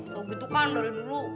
kalau gitu kan dari dulu